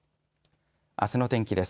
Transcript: あすの天気です。